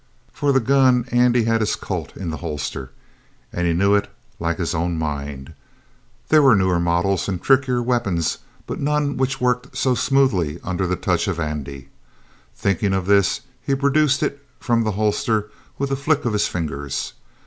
For the gun Andy had his Colt in the holster, and he knew it like his own mind. There were newer models and trickier weapons, but none which worked so smoothly under the touch of Andy. Thinking of this, he produced it from the holster with a flick of his fingers.